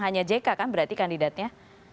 hanya jk kan berarti kandidatnya